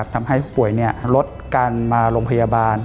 ทำให้ผู้ป่วยลดการมาโรงพยาบาล